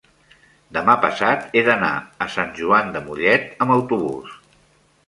demà passat he d'anar a Sant Joan de Mollet amb autobús.